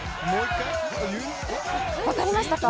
分かりましたか？